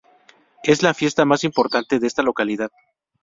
Es la fiesta más importante de esta localidad.